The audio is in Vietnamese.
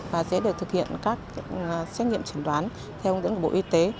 và sẽ được thực hiện các trách nhiệm chứng đoán theo bộ y tế